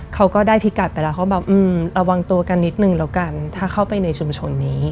เขาก็ได้พิกัดไปแล้วเขาแบบระวังตัวกันนิดนึงแล้วกันถ้าเข้าไปในชุมชนนี้